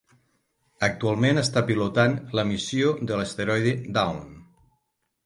Actualment està pilotant la missió de l'asteroide Dawn.